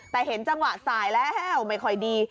แต่เห็นจังหวะสายแล้วไม่ค่อยดี